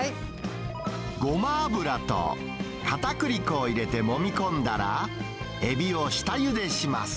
ごま油と、かたくり粉を入れてもみ込んだら、エビを下ゆでします。